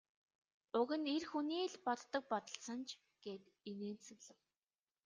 Уг нь эр хүний л боддог бодол санж гээд инээмсэглэв.